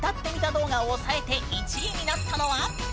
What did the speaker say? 動画をおさえて１位になったのは。